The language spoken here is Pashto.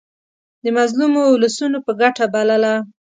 د مظلومو اولسونو په ګټه بلله.